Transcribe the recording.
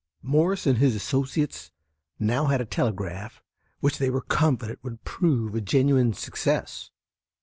Morse and his associates now had a telegraph which they were confident would prove a genuine success.